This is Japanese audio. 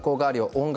音楽